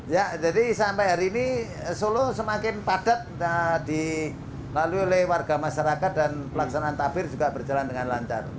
ya jadi sampai hari ini solo semakin padat dilalui oleh warga masyarakat dan pelaksanaan tabir juga berjalan dengan lancar